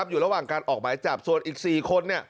อยู่ระหว่างการออกหมายจับส่วนอีก๔คน